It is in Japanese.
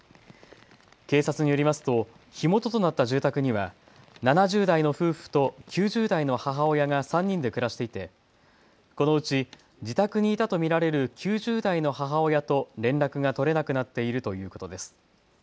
警察によりますと火元となった住宅には７０代の夫婦と９０代の母親が３人で暮らしていてこのうち自宅にいたと見られる９０代の母親と連絡が取れなくなっているということです。